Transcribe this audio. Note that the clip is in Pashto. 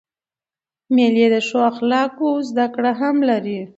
مېلې د ښو اخلاقو زدهکړه هم لري.